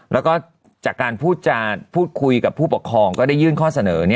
แล้วก็จากการพูดคุยกับผู้ปกครองก็ได้ยื่นข้อเสนอ